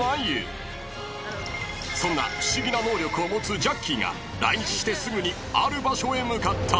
［そんな不思議な能力を持つジャッキーが来日してすぐにある場所へ向かった］